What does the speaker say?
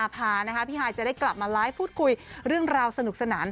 พาพี่ฮายจะได้กลับมาไลฟ์พูดคุยเรื่องราวสนุกสนาน